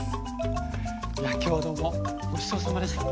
いや今日はどうもごちそうさまでした。